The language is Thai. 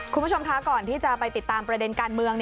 คุณผู้ชมคะก่อนที่จะไปติดตามประเด็นการเมือง